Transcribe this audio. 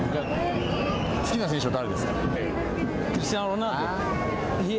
好きな選手は誰ですか。